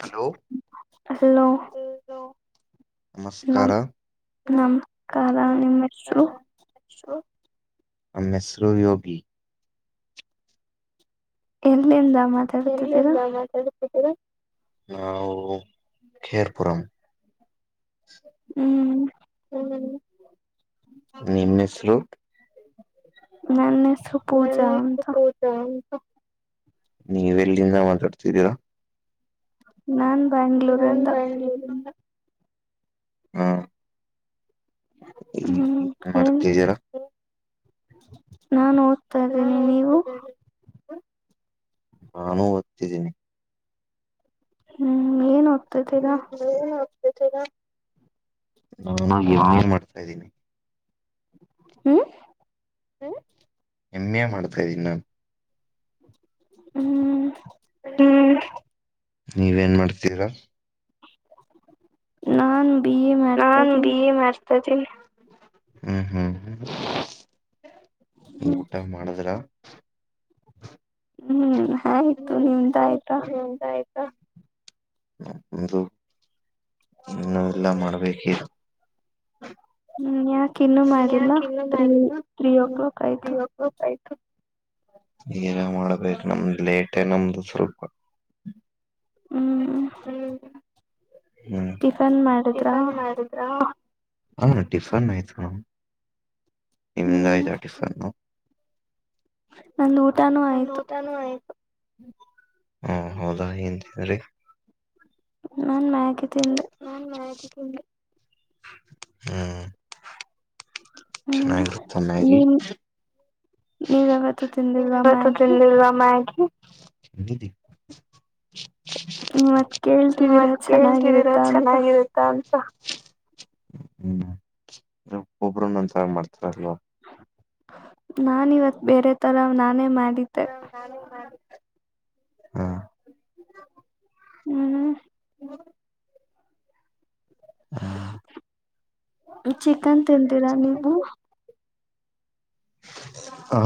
Hello hello. ನಮಸ್ಕಾರಾ ನಮ್ ನಮ್ ಸ್ಕಾರಾ. ಸೃ ನನ್ನ ಹೆಸ್ರು ಯೋಗಿ. ಎಲ್ಲಿಂದಾ ಮಾತ್ ಎಲ್ಲಿಂದಾ ಮಾತಾಡ. ದು ನಾವು ಕೇರ್ಪುರಮ್. ಹು ಹು ನಿಮ್ಮ ಹೆಸ್ರು. ನನ್ ಹೆಸ್ರು ಪೂಜಾ ಅಂತ. ನೀವೆಲ್ಲಿಂದ ಮಾತಾಡ್ತಿದ್ದೀರಾ? ನಾನ್ ಬೆಂಗ್ಳೂರಿಂದ. ಹಾಂ ಹ್ಮ್ ಏನ್ ನಾನೋ [unintelligible] ನಾನು ಓದ್ತಿದೀನಿ. ಹ್ಮ್ ಏನ್ ಓದ್ ನೀವ್ ಏನ್ ಓದ್ತಿದೀರಾ. ನಾನು ಲಾ ಮಾಡ್ತಿದ್ದೀನಿ. ಹ್ಮ್ ಹ್ಮ್ ಇನ್ನೇನ್ ಮಾಡ್ತಾ ಇದ್ದೀನ್ ನಾನ್? ಹ್ಮ್ ಹ್ಮ್ ನೀವೇನ್ ಮಾಡ್ತಿದೀರ? ನಾನ್ ನಾನ್ ಬಿ ಇ ಮಾಡ್ತ ಇದೀನಿ. ಹ್ಮ್ ಹ್ಮ್ ಊಟ ಮಾಡುದ್ರ? ಹ್ಮ್ ಆಯ್ ಹ್ಮ್ ಆಯಿತು ಊಟ ಆಯಿತಾ ಹ್ಮ್ ನಂದು ಇನ್ನು ಇಲ್ಲ ಮಾಡ್ಬೇಕ್ ಈಗ. ನೀವ್ ಯಾಕ್ ಇನ್ನು ಮಾಡಿಲ್ಲ ತ್ರೀ ತ್ರೀ ಓ ಕ್ಲಾಕ್ ಆಯ್ತು? [unintelligible] ಈಗ ಮಾಡ್ಬೇಕ್ ನಮ್ದ್ ಲೇಟೆ ನಮ್ದು ಸ್ವಲ್ಪ. ಹ್ಮ್ ಹ್ಮ್ ಟಿಫನ್ ಮಾಡುದ್ರಾ? ಹಾಂ ಟಫನ್ ಆಯ್ತು ಮ್ಯಾಮ್. ನಿಂದಾಯ್ತಾ ಟಿಫನ್ನು? ನಂದ್ ಊಟಾನೂ ಆಯ್ತು. ಹ್ಮ್ ಹೌದಾ ಏನ್ ತಿಂದ್ರಿ? ನಾನ್ ಮ್ಯಾಗಿ ತಿಂದೆ. ನಾನ್ ಮ್ಯಾಗಿ ತಿಂದೆ. ಹ್ಮ್ ಚೆನ್ನಾಗಿರುತ್ತ ಮ್ಯಾಗಿ? ನೀವ್ ಯಾವತ್ತು ತಿಂದಿಲ್ವಾ ಮ್ಯಾಗಿ. ತಿಂದಿದೀ ನೀವ್ ಮತ್ ಕೇಳ್ತಿದ್ದೀರಾ ಚೆನ್ನಾಗಿರುತ್ ತಂತಾ ಹ್ಮ್ ನಾ ಒಬ್ಬೊಬ್ರ್ ಒಂತರ ಮಾಡ್ತಾರಲ್ವ? ನಾನ್ ಇವತ್ ಬೇರೆ ತರ ನಾನೇ ಮಾಡಿದ್ ಹಾಂ [unintelligible] [unintelligible] ಚಿಕನ್ ತಿಂತಿರಾ ನೀವು? ಆ?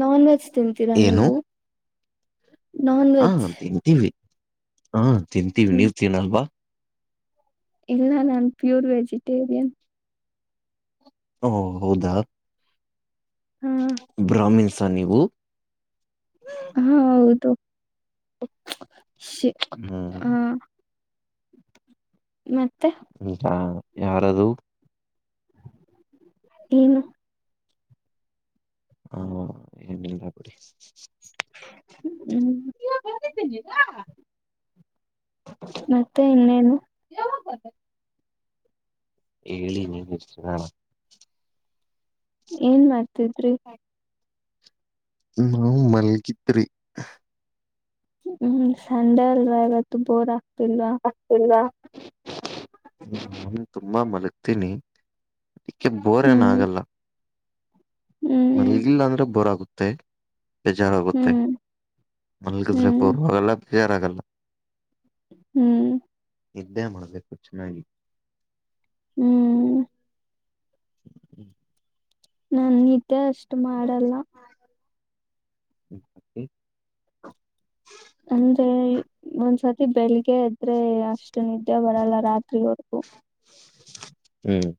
ನಾನ್ ವೆಜ್ ತಿಂತೀರಾ ನೀವು? ಆ ತಿಂತೀವಿ ಆ ತಿಂತೀವಿ ನೀವು ತಿನ್ನಲ್ವಾ? ಇಲ್ಲ ನಾನ್ ಪ್ಯೂರ್ ವೆಜಿಟೇರಿಯನ್. ಹಓ ಓ ಹೌದಾ? ಬ್ರಾಹ್ಮಿನ್ಸ ನೀವು? ಹಾಂ ಹೌದು [unintelligible] ಹಾಂ ಮತ್ತೆ? [unintelligible] ಯಾರದು? ಏನು. ಹಾ [unintelligible] ಹ್ಮ್ ಹ್ಮ್ [unintelligible] ಮತ್ತೆ ಇನ್ನೇನು. ಹೇಳಿ ನೀವು. [unintelligible] ಏನ್ ಮಾಡ್ತಿದ್ರಿ. [inaudible] ನಾವು ಮಲಗಿದ್ರಿ. ಹ್ಮ್ ಸಂಡೆ ಅಲ್ವಾ ಇವತ್ತು ಬೋರ್ ಆಗ್ತಿಲ್ವಾ.. ಆಗ್ತಿಲ್ವ ನಾನು ತುಂಬಾ ಮಲಗ್ತೀನಿ. ಬೋರ್ ಎನ್ ಆಗಲ್ಲ. [inaudible] ಇಲ್ಲ ಅಂದ್ರೆ ಬೋರ್ ಆಗುತ್ತೆ. ಬೇಜಾರಾಗುತ್ತೆ ಮಲ್ಗಿದ್ರೆ ಬೋರು ಆಗಲ್ಲ ಬೇಜಾರ್ ಆಗಲ್ಲ. ಹ್ಮ್ ನಿದ್ದೇ ಮಾಡ್ಬೇಕು ಚೆನ್ನಾಗಿ. ಹ್ಮ್ ನನ್ ನಿದ್ದೆ ಅಷ್ಟು ಮಾಡಲ್ಲ. ಅಂದ್ರೆ ಒಂದ್ಸತಿ ಬೆಳಿಗ್ಗೆ ಎದ್ರೆ ಅಷ್ಟು ನಿದ್ದೆ ಬರಲ್ಲ ರಾತ್ರಿ ಹೊತ್ತು. ಹ್ಮ್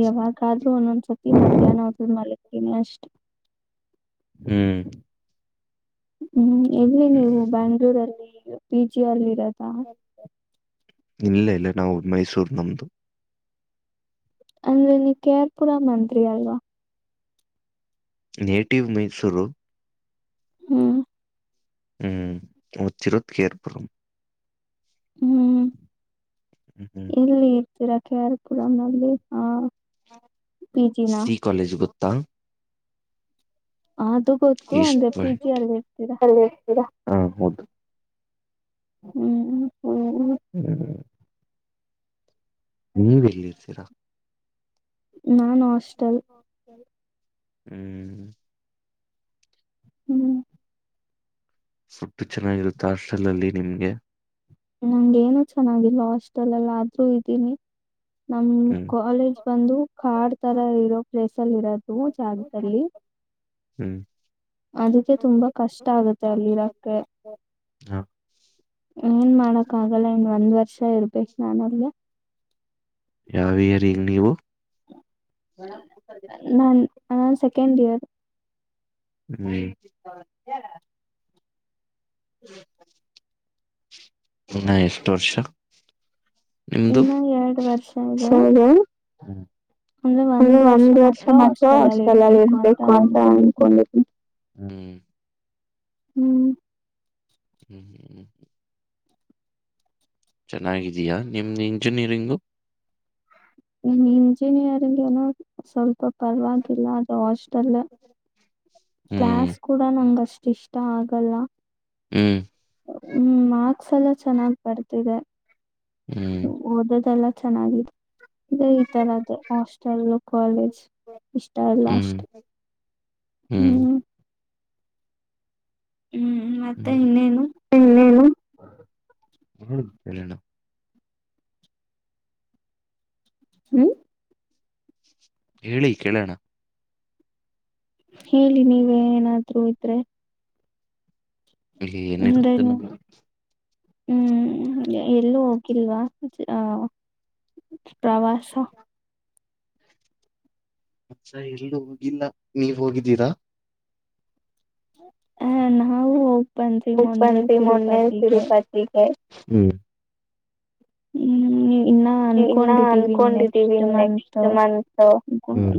ಯಾವಾಗದ್ರು ಒಂದೊಂದ್ಸತಿ ಮಧ್ಯಾಹ್ನ ಹೊತ್ತು ಮಲಗ್ತೀನಿ ಅಷ್ಟೆ. ಹ್ಮ್ ಹ್ಮ್ ಎಲ್ಲಿ ನೀವು ಬ್ಯಾಂಗಳೂರಲ್ಲಿ ಪಿ ಜಿ ಅಲ್ಲಿ ಇರೋದ ಇಲ್ಲ ಇಲ್ಲ ನಾವು ಮೈಸೂರ್ ನಮ್ದು. ಅಂದ್ರೆ ನೀವು ಕೆ ರ್ ಪುರಂ ಅಂದ್ರಿ ಅಲ್ವಾ ನೇಟಿವ್ ಮೈಸೂರು. ಹ್ಮ್ ಹ್ಮ್ ಹುಟ್ಟಿರೋದು ಕೆ ಆರ್ ಪುರಂ. ಹ್ಮ್ ಎಲ್ಲಿ ಇರ್ತೀರಾ ಕೆ ಆರ್ ಪುರಂ ಅಲ್ಲಿ ಹಾ ಪಿ ಜಿ ನಾ ಕಾಲೇಜ್ ಗೊತ್ತಾ ಅದು ಗೊ! ! ಇಷ್ಟು ಅಲ್ಲಿ ಇರ್ತೀರ. ಹಾ ಹೌದುಹ್ಮ್ ನೀವ್ ಎಲ್ಲಿ ಇರ್ತೀರ. ನಾನ್ ಹಾಸ್ಟೆಲ್. ಹ್ಮ್ ಹ್ಮ್ ಫುಡ್ ಚೆನ್ನಾಗಿರುತ್ತೆ ಹಸ್ಟೆಲ್ ಅಲ್ಲಿ ನಿಮ್ಗೆ ನಂಗೆ ಏನು ಚೆನ್ನಾಗಿಲ್ಲ ಹಾಸ್ಟೆಲ್ ಎಲ್ಲ ಆದ್ರೂ ಇದ್ದೀನಿ ನಮ್ ಕಾಲೇಜ್. ಬಂದು ಕಾಡ್ ತರ ಇರೋ ಪ್ಲೇಸ್ ಅಲ್ಲಿ ಇರೋದು ಜಾಗದಲ್ಲಿ ಅದಕ್ಕೆ ತುಂಬಾ ಕಷ್ಟ ಆಗುತ್ತೆ ಅಲ್ಲಿರಕ್ಕೆ. ಏನ್ ಮಾಡಕ್ ಆಗಲ್ಲ ಇನ್ ಒಂದ್ ವರ್ಷ ಇರ್ಬೇಕ್ ನಾನ್ ಅಲ್ಲೇ. ಯಾವ ಇಯರ್ ಈಗ ನೀವು. ಹತ [inaudible] ನನ್, ನನ್ ಸೆಕೆಂಡ್ ಇಯರ್ ಹ್ಮ್ [inaudible] ಇನ್ನಾ ಎಷ್ಟವರ್ಷ ನಿಮ್ದು [inaudible] ಹ ಒಂದು ವರ್ಷ ಮಾತ್ರ ಹಾಸ್ಟೆಲ್ ನಲ್ಲಿ ಇರ್ಬೇಕು ಅಂತ ಅಂದಕೊಂಡಿದ್ದಿನಿ. ಹ್ಮ [inaudible] ಹ್ಮ್, ಹ್ಮ್ ಹ್ಮ್್ಮ್ [unintelligible] ಚೆನ್ನಾಗಿದಿಯಾ ನಿಮ್ದು ಇಂಜಿನಿಯರಿಂಗು ಇ ಇಂಜಿನಿಯರಿಂಗ್ ಏನೋ ಸ್ವಲ್ಪ ಪರವಾಗಿಲ್ಲ ಅದು ಹಾಸ್ಟೆಲ್ ಹ [inaudible] ಕ್ಲಾಸ್ ಕೂಡ ನಂಗ ಅಷ್ಟ ಇಷ್ಟ ಆಗಲ್ಲ. ಹ್ಮ್, ಹ್ಮ್, ಮಾರ್ಕ್ಸ್ ಎಲ್ಲ ಚೆನ್ನಾಗ್ ಬರ್ತಿದೆ. ಹ್ಮ್, ಓದೋದೆಲ್ಲ ಚೆನ್ನಾಗಿದೆ ಈ ತರದ ಹಾಸ್ಟೆಲ್ ಕಾಲೇಜ್ ಇಷ್ಟ. ಇಲ್ಲಾ ಅಷ್ಟೇ - ಹ್ಮ್, [inaudible] ಹ್ಮ್ [inaudible] ಹೇಳಿ ಕೇಳಣ ಹೇಳಿ ನೀವೇ ಏನಾದ್ರೂ ಇದ್ರೆ. ಏನಿರುತ್ತೆ ನಮ್ಗೆ. [unintelligible] ಹ್ಮ್, ಎಲ್ಲೂ ಹೋಗಿಲ್ವಾ [unintelligible] ಪ್ರವಾಸ [unintelligible] ಮನ್ಸಾ ಎಲ್ಲೂ ಹೋಗಿಲ್ಲ ನೀವ್ ಹೋಗಿದ್ದೀರಾ. ಹ್ಮ್, ನಾವು ಹೋಗ್ ಬಂದ್ವಿ ಮೊನ್ನೆ ತಿರುಪತಿಗೆ. ಬೇಕ ಹುಂ. [inaudible] ಹುಂ ನೀವ. [unintelligible] ಇನ್ನಾ ಅನ್ಕೊಂಡಿದ್ದೀವಿ ನೆಕ್ಸ್ಟ ಮಂತ್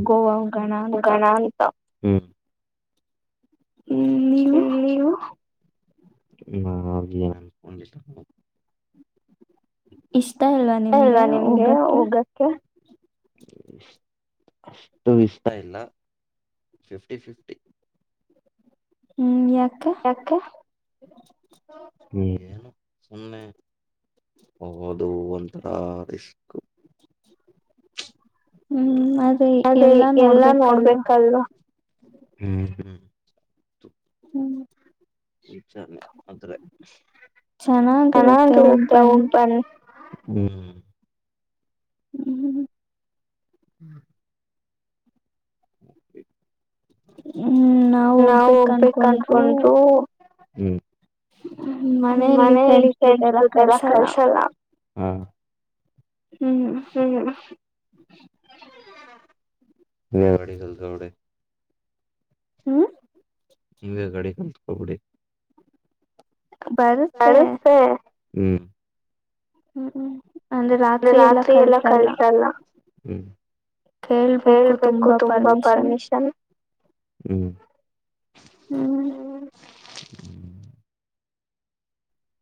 ಗೋವಾ ಹೋಗಣ ಅಂತ. ಹ್ಮ, ನೀವು [unintelligible] ಇ ಎಲ್ಲ ನಿಮ್ಗೆ ಹೋಗಕ್ಕೆ ಅಷ್ಟು ಇಷ್ಟ ಇಲ್ಲ ಫಿಫ್ಟಿ ಫಿಫ್ಟಿ [unintelligible] ಹ್ಮ್, ಯಾಕೆ? ನೀಏನು ಸನ್ನ [inaudible] ಹೌದು, ಒಂಥರ ರಿಸ್ಕ್ ಅದೇ ಎಲ್ಲಾ ನೋಡ್ಬೇಕಲ್ವಾ ಹ್ಮ್, ನಿಜಾ [unintelligible] ಚೆನ್ನಾಗಿರುತ್ತೆ ಒಬನ್. ಹ್ಮ್, ಹು ಹು [inaudible] ಹು [inaudible] ನಾವ ಹೋಗ್ಬೇಕ ಅನ್ಕೊಂಡ್ರು ಹ್ಮ್, ಮನೆಯಲ್ಲಿ ಫ್ರೆಂಡ್ಸ್ ಜೊತೆಯಲ್ಲಾ ಕಳ್ಸಲ್ಲ. ಹ್ಮ್ ಹು [unintelligible] ಹ್ಮ್ ನಿಂದೆ ಗಾಡಿ ಕುತ್ಕೋಬಿಡಿ [unintelligible] ಹು ಹ್ಮ್ ಅಂದ್ರೆ ರಾತ್ರಿ ಎಲ್ಲಾ ಕಳ್ಸಲ್ಲ ಕೇಳಬೇಕು ತುಂಬಾ ಪರ್ಮಿಷನ್. ಹ್ಮ್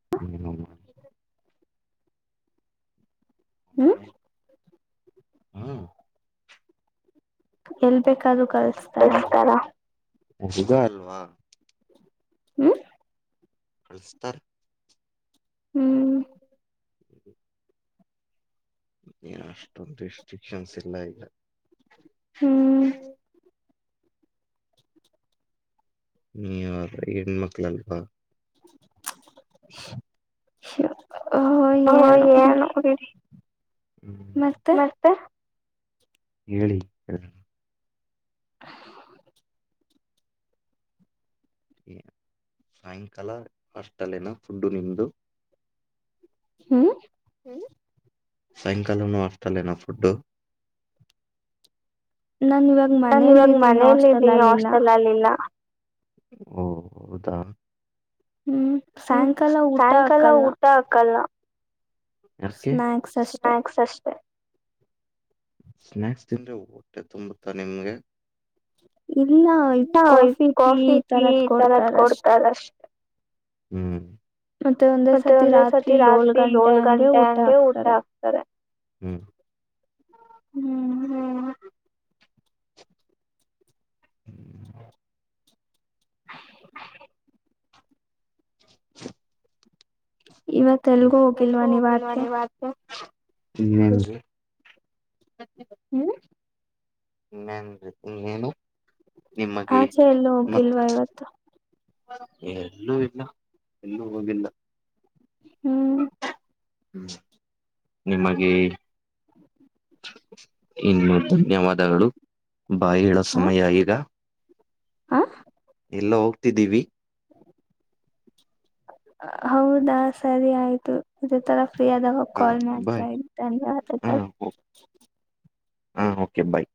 [unintelligible] ಹ್ಮ್ ಎಲ್ ಬೇಕಾದ್ರೂ ಕಳಿಸ್ತಾರ ಹುಡುಗ ಅಲ್ವಾ ಹ್ಮ್ ಕಳಿಸ್ತಾರೇ. ಹ್ಮ್ [inaudible] ಅಷ್ಟೊಂದು ರೆಸ್ಟ್ರಿಕ್ಷನ್ಸ್ ಇಲ್ಲ ಈಗ. ಹ್ಮ್ ನೀ ಯಾರ ಹೆಣ್ಮಕ್ಳು ಅಲ್ವಾ. [inaudible] ಏನೋ ಬಿಡಿ. ಮತ್ತೆ ಹೇಳಿ. [inaudible] ಸಾಯಂಕಾಲ ಹಾಸ್ಟೆಲೇನ ಫುಡ್ ನಿಮ್ದು. ಹ್ಮ ಸಾಯಂಕಾಲನು ಹಾಸ್ಟೆಲ್ಲೆನ ಫುಡ್. ನಾನ ಇವಾಗ ಮನೇಯಲ್ಲಿ ಇದ್ದೀನಿ ಹಾಸ್ಟೆಲ್ ಅಲ್ಲಿ ಇಲ್ಲ. ಓ ಹೌದಾ. ಹ್ಮ್ ಹ್ಮ್ ಸಾಯಂಕಾಲ ಊಟ ಆಕಲ್ಲ. ಯಾಕೆ ಸ್ಕ್ಯಾಕ್ಸ್ ಅಷ್ಟೇ. ಸ್ನಾಕ್ಸ್ ತಿಂದ್ದು ಹೊಟ್ಟೆ ತುಂಬುತ್ತ ನಿಮ್ಗೆ. ಇನ್ನ ಕಾಫಿ ಟೀ ಇತರದ್ದು ಕೊಡ್ತರೇ ಅಷ್ಟೇ. ಹ್ಮ್ ಮತ್ತೆ ಒಂದೇ ಸತಿ ರಾತ್ರಿ ಏಳ್ ಗಂಟೆ ಹಂಗೆ ಊಟ ಹಾಕ್ತಾರೆ. ಹ್ಮ್ ಹ್ಮ್ ಹ್ಮ್ [inaudible] ಇವತ್ತು ಎಲ್ಲಿ ಹೋಗಿಲ್ವಾ ನೀವು ಆಚೆ. ಹ್ಮ್ ಹ್ಮ್ [unintelligible] ಇನ್ನೇನು. ಆಚೆ ಎಲ್ಲೂ ಹೋಗಿಲ್ವಾ ಇವತ್ತು. ಎಲ್ಲೂ ಇಲ್ಲ ಎಲ್ಲೂ ಹೋಗಿಲ್ಲ. ಹು ಹ್ಮ ನಿಮಗೆ ಹ್ಮ ಇನ್ನು ಧನ್ಯವಾದಗಳು ಬೈ ಹೇಳೋ ಸಮಯ ಈಗ ಹಾ ಎಲ್ಲೋ ಹೋಗ್ತಿದ್ದೀವಿ. ಹ್ಮ್ ಹೌದಾ ಸರಿ ಆಯ್ತು ಇದೇ ತರ ಫ್ರೀ ಆದಾಗ ಕಾಲ್ ಮಾಡ್ತಾ ಇದ ಧನ್ಯ ಅದಕ್ ಹಾಂ ಓಕೆ ಬಾಯ್